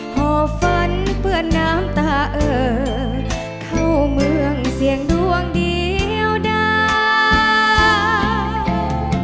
หอบฝันเปื้อนน้ำตาเอ่อเข้าเมืองเสี่ยงดวงเดียวดาว